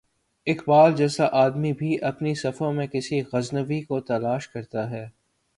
اقبال جیسا آدمی بھی اپنی صفوں میں کسی غزنوی کو تلاش کرتا ہے۔